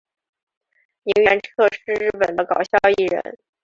萤原彻是日本的搞笑艺人。